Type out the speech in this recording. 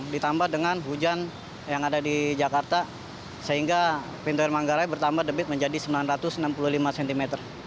ditambah dengan hujan yang ada di jakarta sehingga pintu air manggarai bertambah debit menjadi sembilan ratus enam puluh lima cm